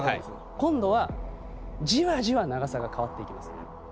今度はじわじわ長さが変わっていきます。